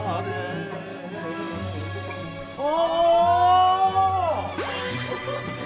あ！